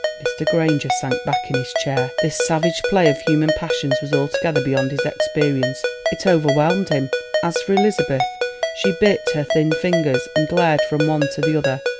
Mr. Granger sank back in his chair; this savage play of human passions was altogether beyond his experience—it overwhelmed him. As for Elizabeth, she bit her thin fingers, and glared from one to the other.